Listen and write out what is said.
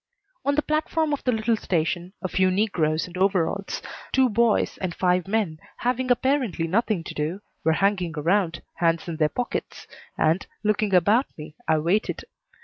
On the platform of the little station a few negroes in overalls, two boys, and five men, having apparently nothing to do, were hanging around, hands in their pockets; and, looking about me, I waited.